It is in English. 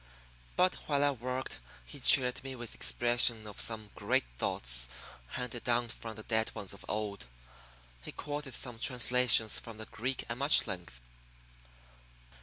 But while I worked he cheered me with the expression of great thoughts handed down from the dead ones of old. He quoted some translations from the Greek at much length.